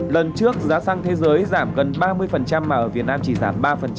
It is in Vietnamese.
lần trước giá xăng thế giới giảm gần ba mươi mà ở việt nam chỉ giảm ba